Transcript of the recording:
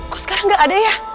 kok sekarang gak ada ya